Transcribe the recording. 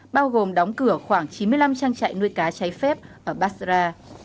bao gồm đóng cửa khoảng chín mươi năm trang trại nuôi cá cháy phép ở basra